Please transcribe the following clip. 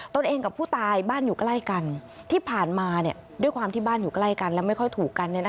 ตัวเองกับผู้ตายบ้านอยู่ใกล้กันที่ผ่านมาด้วยความที่บ้านอยู่ใกล้กันและไม่ค่อยถูกกัน